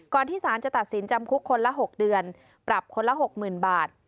ที่สารจะตัดสินจำคุกคนละ๖เดือนปรับคนละ๖๐๐๐บาท